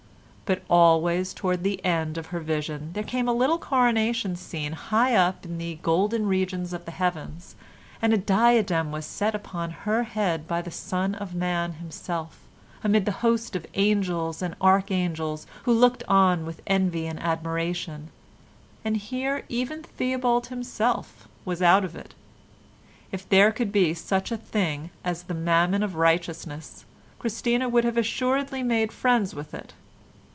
But always towards the end of her vision there came a little coronation scene high up in the golden regions of the Heavens, and a diadem was set upon her head by the Son of Man Himself, amid a host of angels and archangels who looked on with envy and admiration—and here even Theobald himself was out of it. If there could be such a thing as the Mammon of Righteousness Christina would have assuredly made friends with it.